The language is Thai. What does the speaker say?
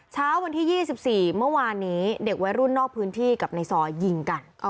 เช้าวันที่๒๔เมื่อวานนี้เด็กวัยรุ่นนอกพื้นที่กับในซอยยิงกัน